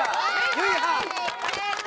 ゆいはーん！